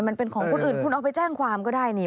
มันเป็นของคนอื่นคุณเอาไปแจ้งความก็ได้นี่